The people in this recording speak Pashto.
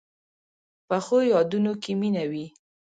پخو یادونو کې مینه وي